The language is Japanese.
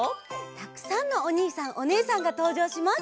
たくさんのおにいさんおねえさんがとうじょうします！